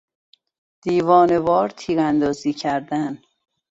دیوانهوار تیراندازی کردن